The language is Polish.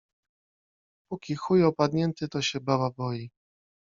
Póki chuj opadnięty, to się baba boi